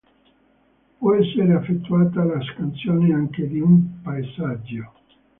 Può essere effettuata la scansione anche di un paesaggio.